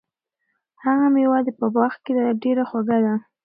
هغه مېوه چې په باغ کې ده، ډېره خوږه ده.